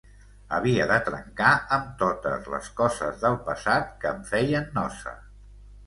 Havia de trencar amb totes les coses del passat que em feien nosa.